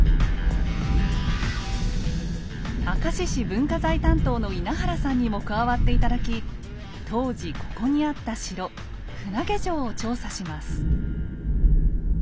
明石市文化財担当の稲原さんにも加わって頂き当時ここにあった城船上城を調査します。